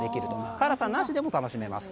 辛さなしでも楽しめます。